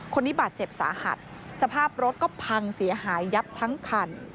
คนนี้บาดเจ็บสาหัสสภาพรถก็พังเสียหายยับทั้งคัน